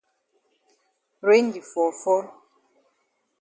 Rain di fall fall.